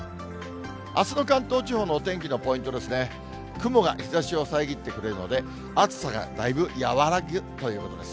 あすの関東地方のお天気のポイントですね、雲が日ざしを遮ってくれるので、暑さがだいぶ和らぐということです。